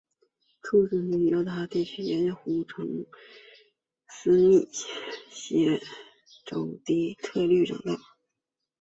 出生于犹他州盐湖城在密歇根州底特律长大。